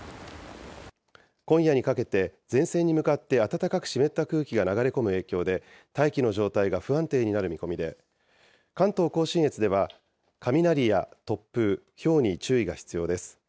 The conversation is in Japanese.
今夜にかけて、前線に向かって暖かく湿った空気が流れ込む影響で大気の状態が不安定になる見込みで、関東甲信越では雷や突風、ひょうに注意が必要です。